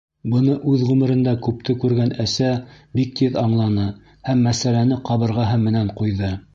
Быны үҙ ғүмерендә күпте күргән әсә бик тиҙ аңланы һәм мәсьәләне ҡабырғаһы менән ҡуйҙы: